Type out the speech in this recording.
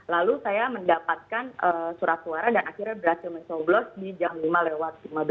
lalu saya mendapatkan surat suara dan akhirnya berhasil mencoblos di jam lima lewat lima belas